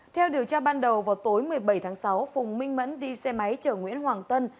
theo điều tra ban đầu vào tối một mươi bảy tháng sáu phùng minh mẫn đi xe máy chở nguyễn hoàng tân